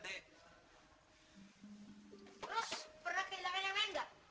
terus pernah kehilangan yang lain nggak